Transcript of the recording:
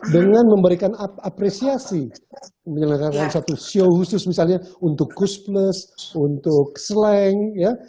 dengan memberikan apresiasi menyelenggarkan satu show khusus misalnya untuk kuss plus untuk sleng ya